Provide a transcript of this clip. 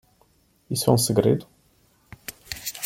Isso é um segredo?